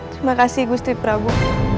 terima kasih agusti prabu